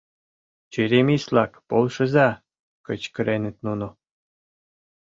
«Черемис-влак, полшыза! — кычкыреныт нуно.